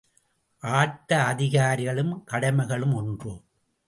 ஆட்ட அதிகாரிகளும் கடமைகளும் ஒன்று.